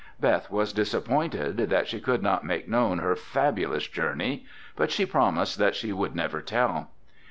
Beth was disappointed that she could not make known her fabulous journey, but she promised that she would never tell.